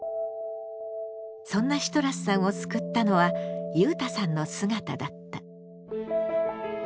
そんなシトラスさんを救ったのはゆうたさんの姿だった。